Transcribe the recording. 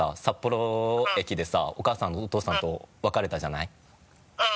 札幌駅でさお母さんとお父さんと別れたじゃない。